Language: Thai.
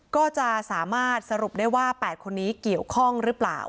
ก็จะสามารถสรุปได้ว่า๘คนนี้เกี่ยวข้องหรือเปล่า